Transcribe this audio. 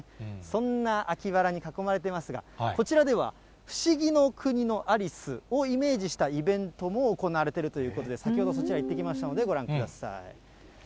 そんな秋バラに囲まれていますが、こちらでは不思議の国のアリスをイメージしたイベントも行われているということで、先ほどそちら行ってきましたので、ご覧ください。